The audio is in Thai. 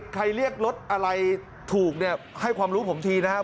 เรียกรถอะไรถูกเนี่ยให้ความรู้ผมทีนะครับ